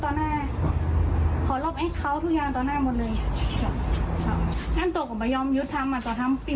ตัวจะนิ้วปี